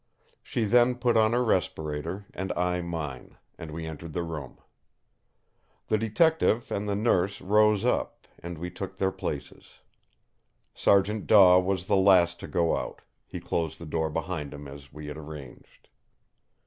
She then put on her respirator, and I mine; and we entered the room. The Detective and the Nurse rose up, and we took their places. Sergeant Daw was the last to go out; he closed the door behind him as we had arranged.